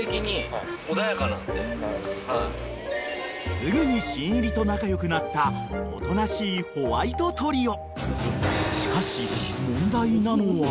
［すぐに新入りと仲良くなったおとなしいホワイトトリオ］